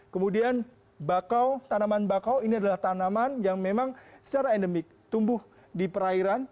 kemudian bakau tanaman bakau ini adalah tanaman yang memang secara endemik tumbuh di perairan